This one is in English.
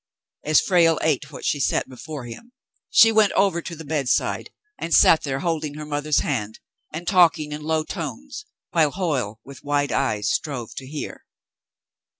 As Frale ate what she set before him, she went over to the bedside, and sat there holding her mother's hand and talking in low tones, while Hoyle, with wide eyes, strove to hear.